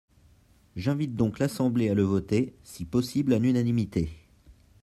J’invite donc l’Assemblée à le voter, si possible à l’unanimité.